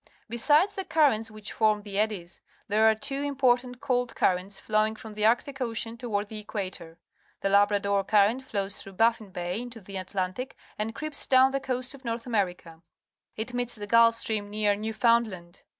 Besjdes the currents which form the eddies, there are two important cold currents flowing from t he Arctic Ocean toward the equatoj. T he Labrador Cu rrent flows .tln;ougli Baffin Bay into th e Atlantic and creeps down the coast of North America. I t nieets the Gulf Stream near Newfoundland.